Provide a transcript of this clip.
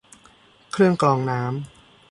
เครื่องกรองน้ำ